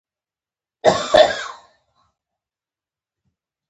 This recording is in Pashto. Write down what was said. د اوداسه سنتونه: